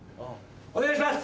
お願いします！